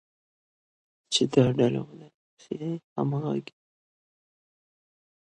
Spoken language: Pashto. چې دا ډله به د لا ښې همغږۍ،